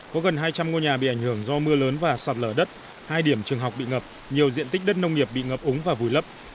có gần hai trăm linh ngôi nhà bị ảnh hưởng do mưa lớn và sạt lở đất hai điểm trường học bị ngập nhiều diện tích đất nông nghiệp bị ngập úng và vùi lấp